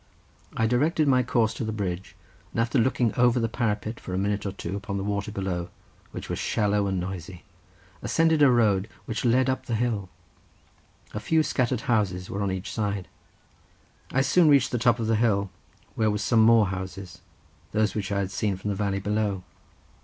I directed my course to the bridge, and after looking over the parapet, for a minute or two, upon the water below, which was shallow and noisy, ascended a road which led up the hill: a few scattered houses were on each side. I soon reached the top of the hill, where were some more houses, those which I had seen from the valley below.